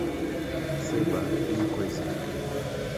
Sei lá, mil coisas!